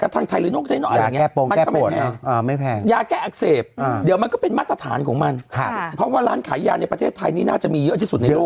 แต่ถ้าสมมุติอ่ะง่ายพารายมีแพงหรอ